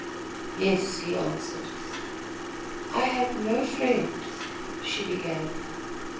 "Yes," he answered. "I have no friend " she began.